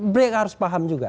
mereka harus paham juga